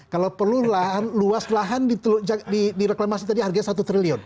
kalau perlu lah luas lahan direklamasi tadi harganya satu triliun